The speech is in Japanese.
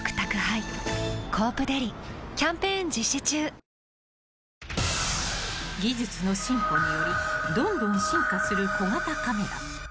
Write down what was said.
三菱電機［技術の進歩によりどんどん進化する小型カメラ］